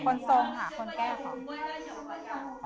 คนทรงค่ะคนแก้ทรง